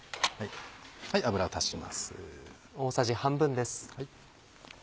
油を足します。